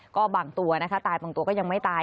ก็บางตัวนะคะตายบางตัวก็ยังไม่ตาย